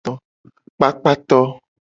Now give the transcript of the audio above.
Kpakpato.